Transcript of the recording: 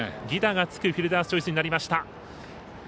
犠打がつくフィルダースチョイスになりました。